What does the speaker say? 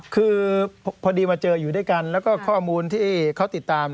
คือพอดีมาเจออยู่ด้วยกันแล้วก็ข้อมูลที่เขาติดตาม